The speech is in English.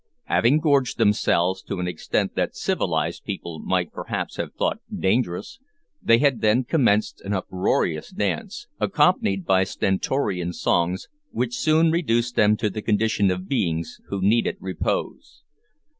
Having gorged themselves to an extent that civilised people might perhaps have thought dangerous, they had then commenced an uproarious dance, accompanied by stentorian songs, which soon reduced them to the condition of beings who needed repose.